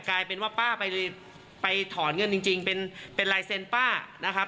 กลายเป็นว่าป้าไปถอนเงินจริงเป็นลายเซ็นต์ป้านะครับ